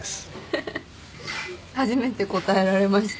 ハハッ初めて答えられました。